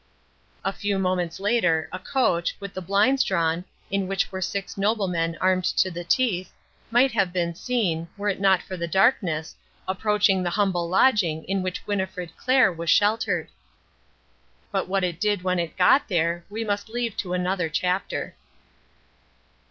A few moments later, a coach, with the blinds drawn, in which were six noblemen armed to the teeth, might have been seen, were it not for the darkness, approaching the humble lodging in which Winnifred Clair was sheltered. But what it did when it got there, we must leave to another chapter.